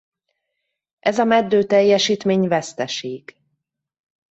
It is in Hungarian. Ez a meddő teljesítmény veszteség.